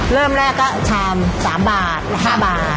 เริ่มแรกก็ชาม๓บาทและ๕บาท